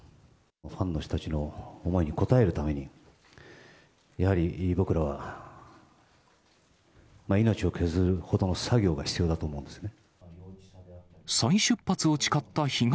ファンの人たちの思いに応えるために、やはり僕らは、命を削るほどの作業が必要だと思うんですね。